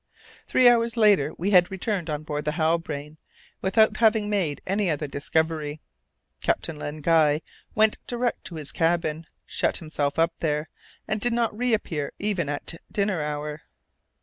Three hours later we had returned on board the Halbrane, without having made any other discovery. Captain Len Guy went direct to his cabin, shut himself up there, and did not reappear even at dinner hour.